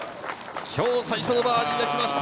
今日、最初のバーディーが来ました。